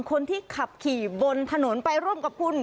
คนที่ขับขี่บนถนนไปร่วมกับคุณ